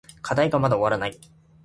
課題がまだ終わらない。